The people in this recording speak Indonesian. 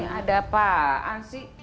maka dia udah kembali